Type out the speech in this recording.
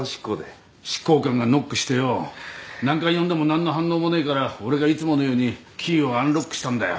執行官がノックしてよ何回呼んでもなんの反応もねえから俺がいつものようにキーをアンロックしたんだよ。